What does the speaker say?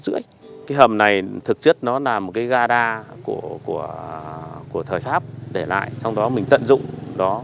cái hầm này thực chất nó là một cái gara của thời pháp để lại xong đó mình tận dụng đó